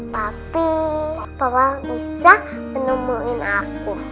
tapi bahwa bisa menemuin aku